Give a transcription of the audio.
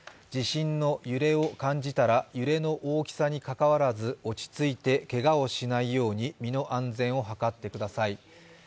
地震の揺れを感じたら揺れの大きさにかかわらず落ち着いてけがをしないように身の安全を図ってください。